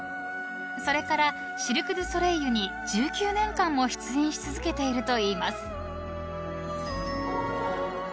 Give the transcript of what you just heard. ［それからシルク・ドゥ・ソレイユに１９年間も出演し続けているといいます］